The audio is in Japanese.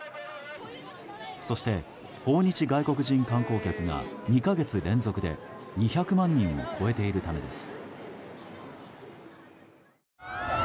そして、訪日外国人観光客が２か月連続で２００万人を超えているためです。